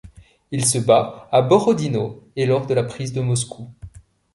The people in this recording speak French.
Il se bat à Borodino et lors de la prise de Moscou.